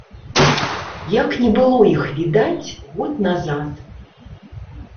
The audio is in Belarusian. Як не было іх відаць год назад.